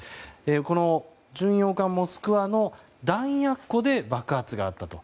この巡洋艦「モスクワ」の弾薬庫で爆発があったと。